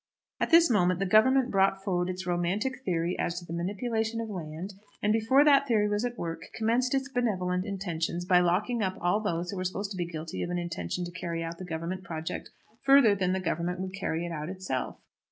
At this moment the Government brought forward its romantic theory as to the manipulation of land, and, before that theory was at work, commenced its benevolent intentions by locking up all those who were supposed to be guilty of an intention to carry out the Government project further than the Government would carry it out itself.